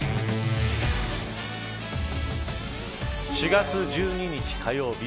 ４月１２日火曜日